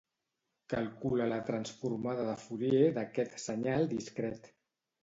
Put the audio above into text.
Calcula la transformada de Fourier d'aquest senyal discret